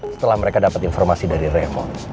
setelah mereka dapat informasi dari remon